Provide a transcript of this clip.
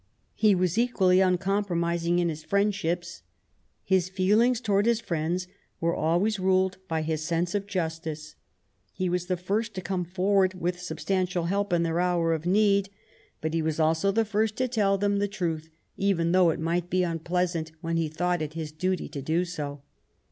He was equally uncompromising in his friendships. His feelings towards his friends were always ruled by his sense of justice. He was the first to come forward with substantial help in their hour of need, but he was WILLIAM GODWIN. 177 also the first to tell them the truth, even though it might be unpleasant, when he thought it his duty to do so.